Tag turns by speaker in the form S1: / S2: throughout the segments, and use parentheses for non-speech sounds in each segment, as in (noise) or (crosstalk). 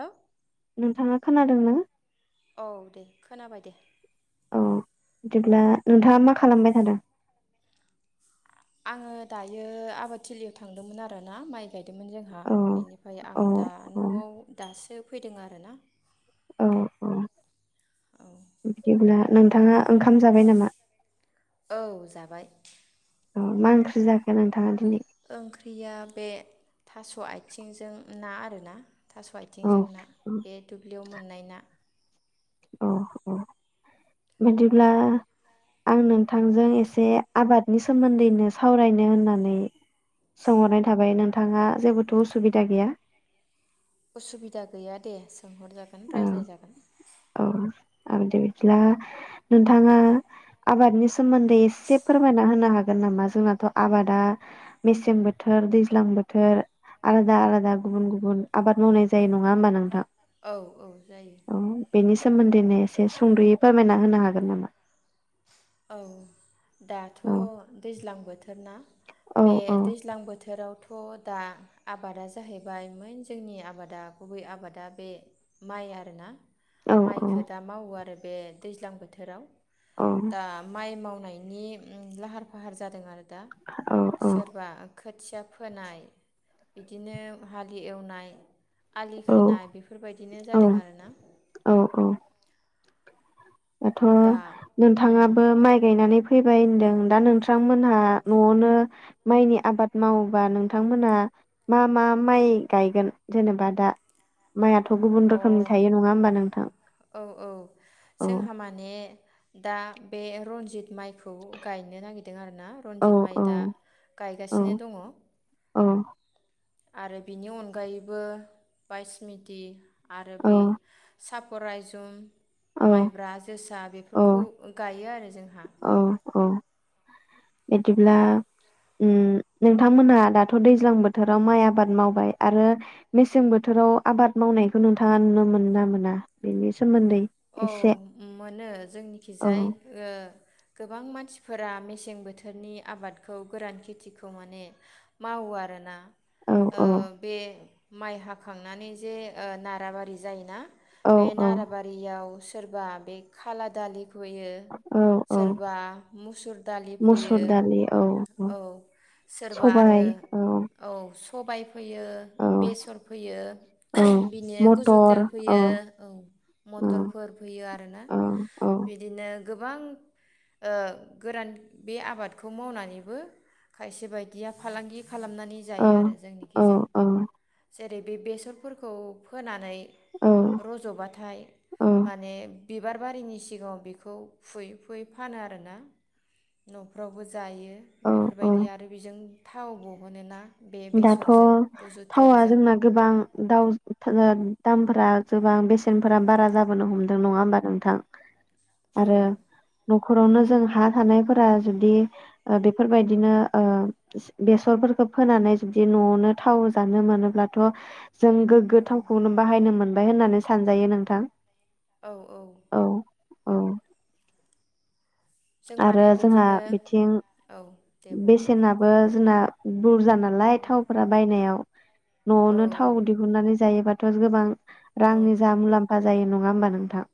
S1: हेल'
S2: नोंथाङा खोनादों ना?
S1: औ दे खोनाबाय दे
S2: औ बिदिब्ला नोंथाङा मा खालामबाय थादों?
S1: आङो दायो आबादथिलियाव थांदोंमोन आरो ना माइ गाय बिदोंमोन जोंहा
S2: औ
S1: बेनिफ्राय आं
S2: औ
S1: दा
S2: औ
S1: न'आव दासो फैदों आरो ना
S2: औ औ बिदिब्ला नोंथाङा ओंखाम जाबाय नामा?
S1: औ जाबाय
S2: अ मा ओंख्रि जाखो नोंथाङा दिनै?
S1: ओंख्रिया बे थास' आथिंजों ना आरोना थास'
S2: औ
S1: आथिंजों ना बे दुब्लियाव मोननाय ना
S2: औ औ बिदिब्ला आं नोंथांजों एसे आबादनि सोमोन्दैनो सावरायनो होननानै सोंहरनाय थाबाय नोंथाङा जेबोथ' उसुबिदा गैया?
S1: असुबिदा गैया दे सोंहरजागोन
S2: औ
S1: रायज्लायजागोन
S2: औ आदि बिदिब्ला नोंथाङा आबादनि सोमोन्दै एसे फोरमायना होनो हागोन नामा जोंनाथ' आबादा मेसें बोथोर दैज्लां बोथोर आलादा आलादा गुबुन गुबुन आबाद मावनाय जायो नङा होमबा नोंथां?
S1: औ औ जायो।
S2: औ बेनि सोमोन्दैनो एसे सुंदुयै फोरमायना होनो हागोन नामा?
S1: औ दाथ'
S2: औ
S1: दैज्लां बोथोर ना
S2: औ
S1: बे
S2: औ
S1: दैज्लां बोथोर रावथ' दा आबादा जाहैबाय मन जोंनि आबादा गुबै आबादा बे माइ आरो ना
S2: औ
S1: माइखो दा मावो आरो बे दैज्लां बोथोराव
S2: औ
S1: दा माइ माव नायनि लाहार फाहार जादों आरो दा
S2: औ
S1: सोरबा खोथिया फोनाय बिदिनो हालि एवनाय आलि
S2: औ
S1: खोनाय बेफोरबायदिनो जादों आरो ना
S2: औ औ दाथ'
S1: उम
S2: नोंथाङाबो माइ गायनानैै फैबाय होनदों दा नों थांमोनहा न'आवनो माइनि आबाद मावोबा नोंथांमोना मा मा माइ गायगोन जेनेबा दा माइआ थ' गुबुन
S1: औ
S2: रोखोमनि
S1: अ
S2: थायो नङा होमबा? नोंथां
S1: औ औ
S2: औ
S1: जोंहा माने दा बे रन्जित माइ खौ गायनो नागिरदों आरोना
S2: औ
S1: रनजित माइ
S2: औ
S1: दा
S2: औ
S1: गायगासिनो दङ।
S2: औ।
S1: आरो बिनि अनगायैबो बाइस मिटि आरो बे साब खरायजुम
S2: औ
S1: माइब्रा जोसा बेफोरखौ
S2: औ
S1: गायो आरो जों
S2: औ। औ बिदिब्ला उम नोंथांमोनहा दाथ' दैज्लां बोथोराव माइ आबाद मावबाय आरो मेसें बोथोराव आबाद मावनायखौ नोंथाङा नुनो मोना मोना बेनि सोमोन्दै
S1: औ
S2: एसे
S1: मोनो
S2: औ
S1: जोंनिखिजाय ओ गोबां मानसिफोरा मेसें बोथोरनि आबादखौ गोरान खेथिखौ माने मावो आरोना
S2: औ
S1: ओ
S2: औ
S1: बे माइ हाखांनानै जे ओ नाराबारि जायोना
S2: औ
S1: बेे
S2: औ
S1: नाराबा याव सोरबा बे खाला दालि फोयो
S2: औ औ
S1: सोरबा मुसुर दालि
S2: मुसुर
S1: फोयो
S2: दालि औ
S1: औ सोरबा आरो
S2: सबाय औ
S1: औ। हबाइ फोयो
S2: औ
S1: बेसर फोयो
S2: औ
S1: बिनि
S2: मटर
S1: गुजुथेल
S2: औ
S1: फोयो औ।
S2: औ
S1: मटरफोर फोयो आरोना
S2: औ औ
S1: बिदिनो गोबां ओ गोरान बे आबादखौ मावनानैबो खायसे बायदिया फालांगि खालामनानै
S2: औ
S1: जायो आरो
S2: औ
S1: जोंनिखैजाय।
S2: औ
S1: जेरै बे बेसरफोरखौ फोनानै
S2: औ
S1: रजबाथाय
S2: औ
S1: माने बिबार बारिनि सिगाङाव बेखौ फुयै फुयै फानो आरोना नफ्रावबो जायो
S2: औ औ
S1: बेफोरबायदि आरो बेजों थाव बहनोना? बे
S2: दाथ'
S1: बेसरजों गुजु
S2: थावा
S1: तेलजों
S2: जोंना गोबां दाव (inaudible) दामफोरा गोबां बेसेनफोरा बारा जाबोनो हमदों नङा होमबा नोंथां?
S1: औ
S2: आरो (unintelligible) नखरावनो जों हा थानायफोरा जुदि ओ- बेफोरबायदिनो ओ-बेसरफोरखौ फोनानै। बिदि नआवनो थाव जानो मोनोब्लाथ'। जों
S1: औ
S2: गोग्गो थावखौनो बाहायनो मोन मोनबाय होननानै सानजायो नोंथां।
S1: औ औ
S2: औ
S1: जों
S2: आरो
S1: माने
S2: जोंहा
S1: बिदिनो
S2: बिथिं
S1: औ दे बुं
S2: बेसेनाबो। जोंना
S1: औ
S2: बुरजानालाय। थावफोरा बायनायाव
S1: औ
S2: नआवनो थाव दिहुननानै जायोबाथ (unintelligible) गोबां
S1: औ
S2: रांनि जा मुलाम्फा जायो नङा होमबा नोंथां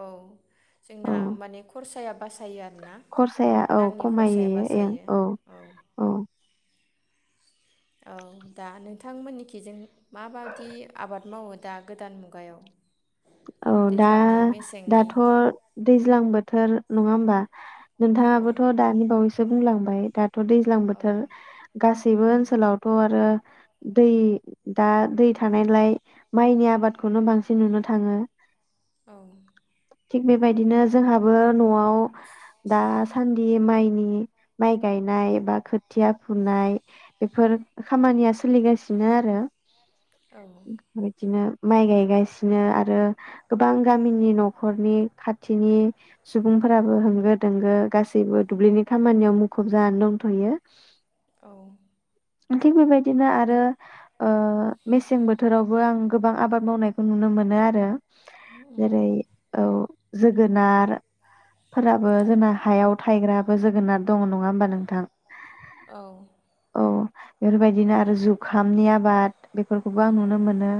S1: औ जोंना
S2: औ?
S1: माने खरसाया बासायो आरोना
S2: खरसाया औ
S1: रांनि खरसाया
S2: खमायो
S1: बासायो औ। औ दा नोंथांमोननिखि जों माबायदि आबाद मावो दा गोदान मुगायाव?
S2: औ दा
S1: दैज्लांनि मेसेंनि
S2: दाथ दैज्लां बोथोर नङा होमबा?
S1: औ
S2: नोंथाङाबोथ दाानि बावैस बुंलांबाय दा दैज्लां
S1: औ
S2: बोथोर गासैबो
S1: उम
S2: ओनसोलावथ आरो। दै दा दै थानायलाय। माइनि आबादखौनो बांसिन नुनो ओ।
S1: औ।
S2: थिग बेबायदिनो जोंहाबो। नआव दा दासान्दि माइनि माइ गायनाय एबा खोथिया फुनाय बेफोर खामानिया सोलिगासिनो आरो।
S1: औ
S2: बिदिनो। माइ गायगासि नो आरो गोबां गामिनि नखरनि खाथिनि सुबुंफोराबो होंगो दोंगो गासैबो दुब्लिनि खामानियाव मुखुब जानानै दंथयो।
S1: औ।
S2: थिग बेबायदिनो आरो ओ- मेसें बोथोरावबो आं गोबां आबाद मावनायखौ नुनो मोनो आरो
S1: उम
S2: जेरै औ जोगोनार फोराबो
S1: औ
S2: जोंना हायाव थायग्रा जोगोनार दङ नङा होमबा नोंथां।
S1: औ
S2: औ बेफोरबायदिनो आरो जुखामनि आबाद। बेफोरखौबो आं नुनो मोनो।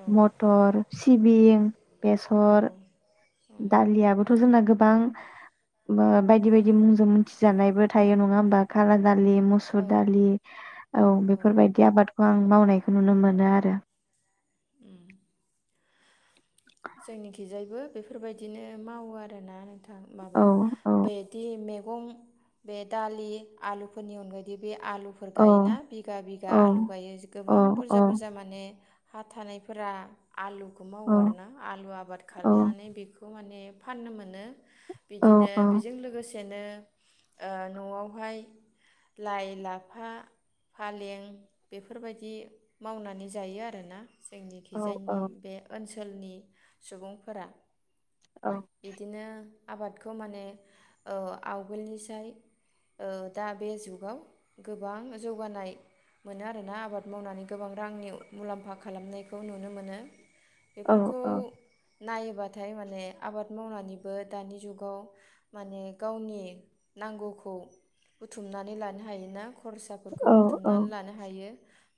S1: औ
S2: मटर सिबिं बेसर
S1: उम
S2: दालियाबोथ' जो जोंना गोबां बो बायद-बायदि मुंजों मिथिजानायबो थायो नङा होमबा खाला दालि मुसुर
S1: औ
S2: दालि औ बेफोरबायदि आबादखौ आं मावनायखौ नुनो मोनो आरो
S1: उम जोंनिखिजायबो बेफोरबायदिनो मावो आरोना नोंथां (unintelligible) माबा
S2: औ औ
S1: बेदि मेब गं बे दालि आलुफोरनि अनगायैदि बे आलुफोर
S2: औ
S1: गायोना बिगा-बिगा आलु गायो
S2: औ
S1: गोबां
S2: औ
S1: बुरजा बुरजा माने हा थानायफोरा आलुखौ मावो
S2: औ
S1: आरोना आलु आबाद
S2: औ
S1: खालामनानै बेखौ माने फाननो मोनो
S2: औ
S1: बिदिनो बेजों लोगोसे (unintelligible) नो ओ न'आवहाय लाइ लाफा फालें बेफोरबायदि मावनानै जायो आरोना जोंनि
S2: औ
S1: खिजायनि बे ओनसो सोलनि सुबुंफोरा
S2: औ
S1: बिदिनो आबादखौ माने औ आवगोलनिसाय ओ दा बे जुगाव गोबां जौगानाय मोनो आरोना आबाद मावनानै गोबां रांनि मुलाम्फा खालामनायखौ नुनो मोनो।
S2: औ
S1: बेफोरखौ
S2: अ
S1: नायोबाथाय माने आबाद मावनानैबो दानि जुगाव माने गावनि नांगौखौ बुथुमनानै लानो हायोना खरसाफोरखौ
S2: औ औ
S1: बुथुमनानै लानो हायो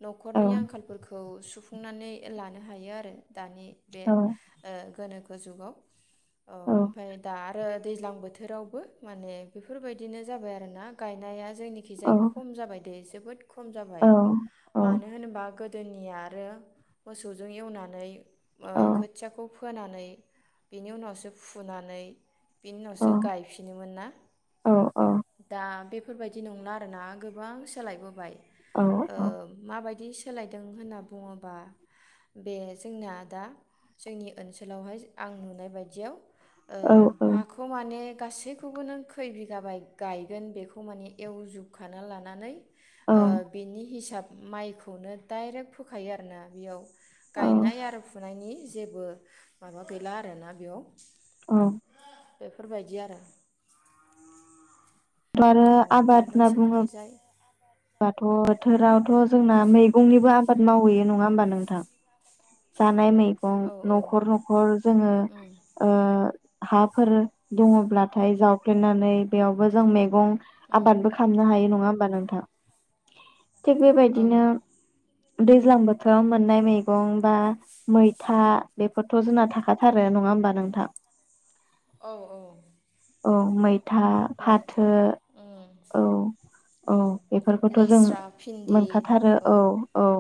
S1: नखरनि आंखालफोरखौ सुफ नानै लानो हायो आरो दानि बे ओ गोनोखो जुगाव औ ओमफाय दा ओ दैज्लां बोथोरावबो माने बेफोरबायदिनो जाबाय आरोना गायनाया जोंनिखि जाय खम जाबाय दे। जोबोद खम जाबाय
S2: औ
S1: मानो होनोबा गो गोदोनिया आरो मोसौजों एवनानै ओ खोथियाखौ फो फोनानै बेनि उनावसो फुनानै बेनि
S2: औ
S1: उनावसो गायफिनोमोन ना
S2: औ
S1: दा बे बेफोरबायदि नंला आरोना गोबां सोलायबोबाय
S2: औ
S1: ओ माबायदि सो सोलायदों होनना बुङोबा बे जोंनिया दा जोंनि ओनसोलावहाय आं नुनाय बायदियाव ओ
S2: औ
S1: हाखौ माने गासैखौबो नों खै बिगाबाय गायगोन बेखौ माने एवजोबखाना लानानै
S2: औ
S1: ओ बेनि हिसाब माइखौनो डाइरेक्ट फोखायो आरोना बेयाव गायनाय आरो फुनायनि जेबो माबा गैला आरोना बेयाव
S2: औ।
S1: बेफोरबायदि आरो।
S2: आरो
S1: औ दा
S2: आबाद होनना बुङो
S1: नोंसिनिखैजाय
S2: दाथ' बोथोरावथ' जोंना मैगंनिबो आबाद मावैयो नङा होमबा नोंथां जा नाय मैगं
S1: औ औ
S2: नखर नखर जोङो
S1: उम
S2: ओ हाफोर दङब्लाथाय जावफ्लेनानै बेयावबो जों मेगं आबादबो खालामनो हायो नङा होम मा नोंथा (inaudible) थिग
S1: औ
S2: बेबायदिनो दैज्लां बोथोराव मोननाय मैगं बा मैथा बेफोरथ' जोंना थाखाथारो नङा होमबा नोंथां?
S1: औ औ।
S2: औ मै था फाथो
S1: मैथा उम
S2: औ-औ
S1: उम
S2: बेफोरखौथ जों
S1: लेस्रा भिन्दि
S2: मोनखाथारो
S1: औ
S2: औ-औ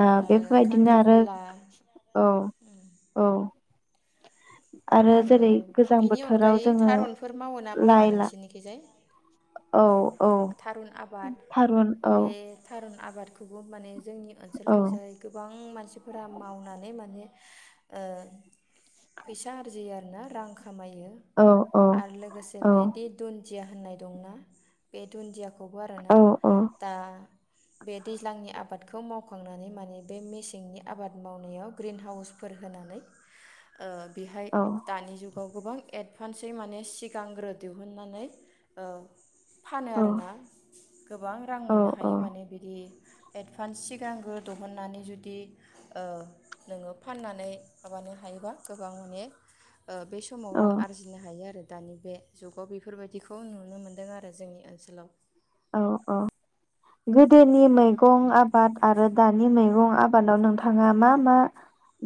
S2: आ
S1: आरो
S2: बेफोरबायदिनो आरो
S1: खांख्रिखला
S2: औ-औ।
S1: आरो
S2: गोजां
S1: बिनि
S2: बोथोराव
S1: अनगायै
S2: जोङो
S1: थारुनफोर मावो ना मावा
S2: लाइ ला
S1: नोंसिनिखिजाय?
S2: औ औ थारुन औ।
S1: बे थारुन आबादखौबो माने जोंनि
S2: औ
S1: ओनसोलखैजाय गोबां मान सिफोरा मावनानै माने ओ फैसा आरजियो आ रोना रां खामायो
S2: औ औ
S1: आरो लोगोसे
S2: औ
S1: बेदि दुन दिया होननाय दंना। बेे दुनदिया खौ बो आरो ना
S2: औ औ
S1: दा बे दैज्लांनि आबादखौ मावखांनानै माने बे मेसेंनि आबाद मावनायाव ग्रिन हाउसफोर होनानै ओ बेहाय
S2: औ
S1: दानि जुगाव गोबां एडभान्सै माने सिगांग्रो दिहुनन्नानै ओ फानो आरो ना गोबां रां
S2: औ
S1: मोननो हायो माने बिदि एडभान्स सिगांग्रो दहननानै जुदि ओ नोङो फाननानै माबानो हायोबा गोबां माने ओ बे समाव
S2: औ
S1: रां आरजिनो हायो आरो। दानि बे जुगाव बेफोरबायदिखौ नुनो मोनदों आरो दा जोंनि ओनसोलाव
S2: अ-अ गोदो नि मैगं आबाद आरो दानि मै गं आबादाव नोंथाङा मा-मा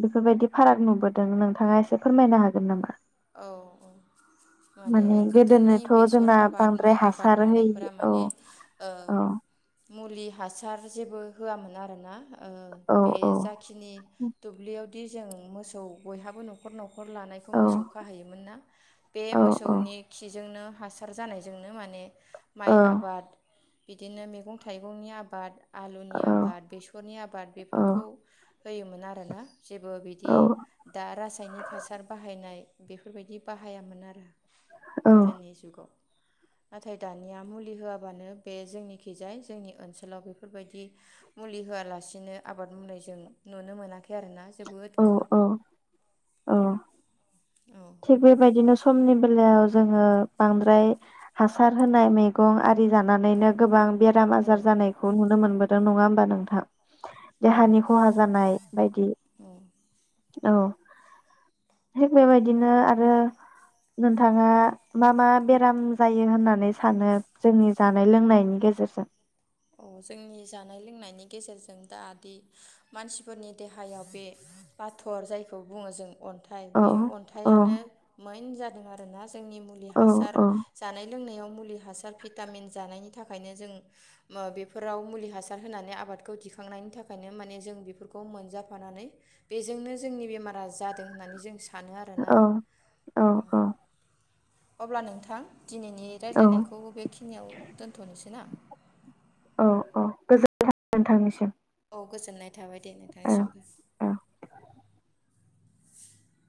S2: बेफोरबायदि फाराग नुबोदों नोंथाङा एसे फोरमायनो हागोन नामा?
S1: औ-औ माने गोदोनि
S2: गोदोनोथ'
S1: बेसर
S2: जोंना
S1: आबाद
S2: बांद्राय
S1: माइ आबाद
S2: हासार होयि
S1: मावनायफोरा
S2: औ
S1: माने ओ
S2: औ
S1: मुलि हासार जेबो होआमोन आरो ना ओ
S2: औ
S1: बे
S2: औ
S1: जाखिनि दुब्लियाव बिदि जों मोसौ बयहाबो नखर-नखर नखर लानायखौ
S2: औ
S1: मोसौ होयोमोन ना।
S2: औ औ
S1: जोंनो हासार जानायजोंनो माने
S2: औ
S1: माइ आबाद बिदिनो मेगं थाइगंनि आबाद आलुनि आबाद बेसरनि आबाद बेफोरखौ होयोमोन आरोना। जेबो बिदि दा रासायनिक हासार बाहायनाय बेफोरबायदि बाहायामोन आरो
S2: औ
S1: गोदोनि जुगाव। नाथाय दानिया मुलि होआबानो बे जोंनिखिजाय जोंनि ओनसोलाव बेफोरबायदि मुलि होआलासिनो आबाद मावनाय जों नुनो मोनाखै आरोना जोबोद खम।
S2: अ।
S1: औ
S2: थिग बेबायदिनो समनि बेलायाव जोङो बांद्राय हासार होनाय मेगं आरि जानानैनो गोबां बेराम
S1: औ
S2: आजार जानायखौ नुनो मोनबो दों नङा होमबा नोंथां? देहानि
S1: औ
S2: खहा जानाय बायदि
S1: औ
S2: औ थिख बेबाय दिनो आरो नोंथाङा मा मा बेराम जायो होननानै सानो जोंनि जानाय लोंनायनि गेजेरजों?
S1: अ जोंनि जानाय लोंनायनि गेजेरजों दा दि मानसिफोरनि देहायाव बे बाथर जायखौ बुङो जों अन थाय
S2: औ
S1: बे
S2: औ
S1: अन्थाइयानो मैन जा आरोना जोंनि मुलि
S2: औ
S1: हासार जानाय लोंनायाव मुलि हासार भिटामिन जानायनि थाखायनो जों बेफोराव मुलि हासार होनानै आबादखौ दिखांनायनि थाखायनो माने जों बेफोरखौ मोनजाफानानै बेजोंनो जोंनि बेमारा जादों होननानै जों सा
S2: औ औ औ।
S1: अब्ला नोंथां दिनैनि
S2: औ
S1: रायज्लायनायखौ बेखिनियाव दोन्थ'नोसै ना?
S2: औ औ गोजोननाय था (unintelligible) नोंथांनिसिम।
S1: औ गोजोननाय थाबाय दे
S2: औ
S1: नोंथांसिमबो।
S2: औ